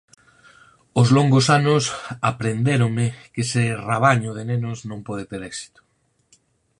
Os longos anos aprendéronme que ese rabaño de nenos non pode ter éxito.